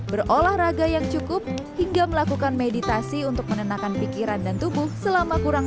berolahraga yang cukup hingga melakukan meditasi untuk menenangkan pikiran dan tubuh selama kurang